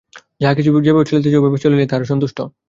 যাহা-কিছু যেভাবে চলিতেছে, ঐভাবে চলিলেই তাঁহারা সন্তুষ্ট।